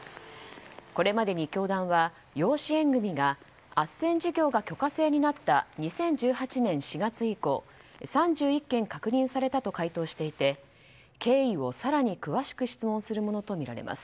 これまでに教団は養子縁組があっせん事業が許可制になった２０１８年４月以降３１件確認されたと回答していて経緯を更に詳しく質問するものとみられます。